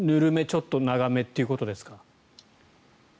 ちょっと長めということですか？